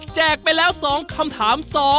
ไปแล้ว๒คำถาม